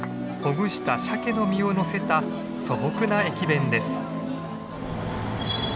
ほぐしたシャケの身をのせた素朴な駅弁です。